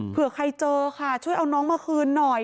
เผื่อใครเจอค่ะช่วยเอาน้องมาคืนหน่อย